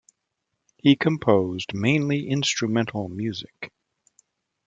He composed mainly instrumental music.